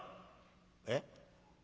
「えっ？